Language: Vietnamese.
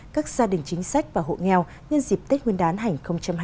các gia đình chính sách và hộ nghèo nhân dịp tết nguyên đán hành hai mươi